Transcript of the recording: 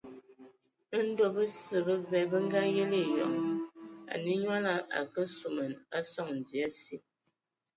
Ndo bəsǝ bəbɛ bə ngayelə eyɔŋ, anə nyɔlɔ a kəlǝg suman a sɔŋ dzie asi.